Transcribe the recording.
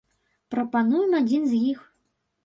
Прапануем адзін з іх.